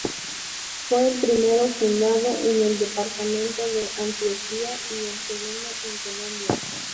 Fue el primero fundado en el departamento de Antioquia y el segundo en Colombia.